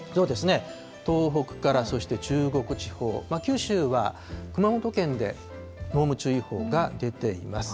東北からそして中国地方、九州は熊本県で濃霧注意報が出ています。